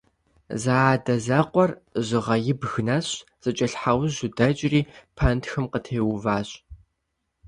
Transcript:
Зэадэзэкъуэр Жьыгъэибг нэсщ, зэкӀэлъхьэужьу дэкӀри пэнтхым къытеуващ.